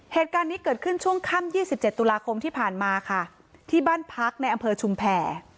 เหตุการณ์นี้เกิดขึ้นช่วงค่ำ๒๗ตุลาคมที่ผ่านมาค่ะที่บ้านพักในอำเภอชุมแผ่